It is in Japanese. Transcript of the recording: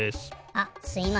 あすいません。